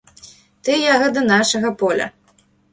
Ты ягада нашага поля.